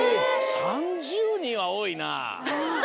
３０人は多いな。